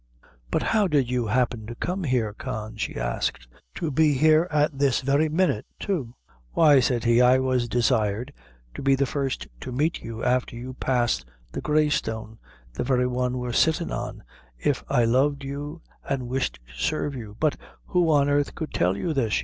"But how did you happen to come here, Con?" she asked; "to be here at the very minute, too?" "Why," said he, "I was desired to be the first to meet you after you passed the Grey Stone the very one we're sittin' on if I loved you, an' wished to sarve you." "But who on earth could tell you this?"